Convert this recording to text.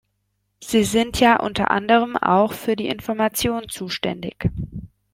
Sie sind ja unter anderem auch für die Information zuständig.